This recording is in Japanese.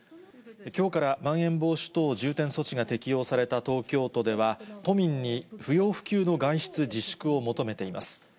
きょうからまん延防止等重点措置が適用された東京都では、都民に不要不急の外出自粛を求めています。